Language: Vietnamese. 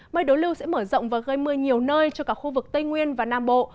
mây đối lưu sẽ mở rộng và gây mưa nhiều nơi cho cả khu vực tây nguyên và nam bộ